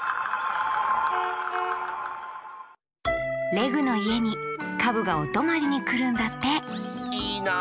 レグのいえにカブがおとまりにくるんだっていいな。